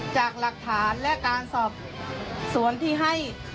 จากหลักฐานและการสอบสวนที่ให้